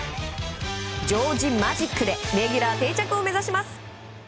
ジョージマジックでレギュラー定着を目指します。